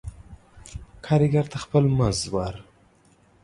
کاريګر ته خپل مز ور